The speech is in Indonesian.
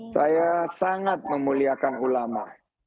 saya sangat memuliakan ulama